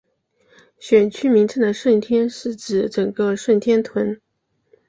选区名称的顺天是指整个顺天邨。